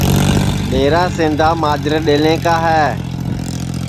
میرا سیندا ماجرے ڈؔیلیں کا ہے